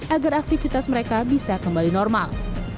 agar aktivitas mereka bisa kembali normal